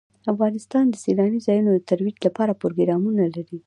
افغانستان د سیلاني ځایونو د ترویج لپاره پروګرامونه لري.